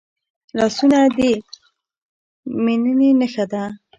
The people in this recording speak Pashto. لاسونه د میننې نښه ده